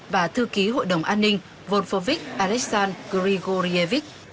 và thư ký hội đồng an ninh volfovik aleksandr grigorievic